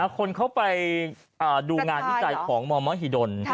คนเขาไปดูงานวิจัยของมมหิดล